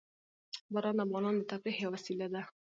باران د افغانانو د تفریح یوه وسیله ده.